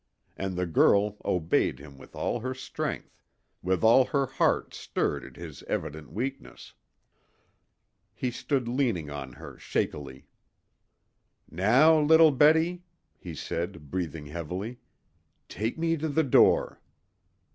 And the girl obeyed him with all her strength, with all her heart stirred at his evident weakness. He stood leaning on her shakily. "Now, little Betty," he said, breathing heavily, "take me to the door."